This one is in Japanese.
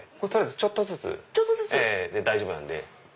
ちょっとずつで大丈夫なんで。